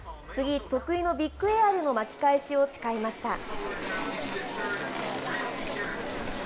次、得意のビッグエアでの巻き返しを誓いました。